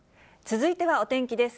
続いてはお天気です。